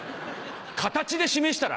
形で示したら」。